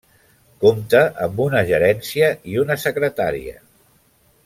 Compta amb una Gerència, i una Secretaria.